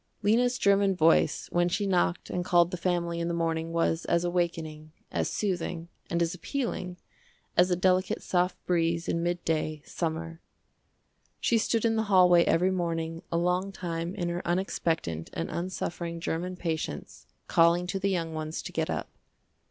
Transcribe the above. Lena's german voice when she knocked and called the family in the morning was as awakening, as soothing, and as appealing, as a delicate soft breeze in midday, summer. She stood in the hallway every morning a long time in her unexpectant and unsuffering german patience calling to the young ones to get up.